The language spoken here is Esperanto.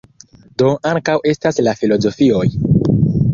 Do ankaŭ estas la filozofioj.